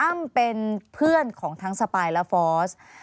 เป็นเพื่อนของทั้งสปายและฟอส